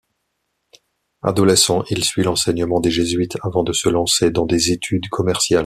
Adolescent, il suit l'enseignement des jésuites avant de se lancer dans des études commerciales.